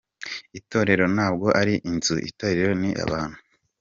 Itorero ntabwo ari inzu, itorero ni abantu.